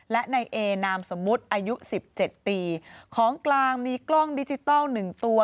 และในเอนามสมุทรอายุ๑๗ปีของกลางมีกล้องดิจิทัล๑ตัว